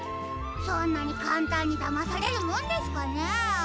そんなにかんたんにだまされるもんですかねえ？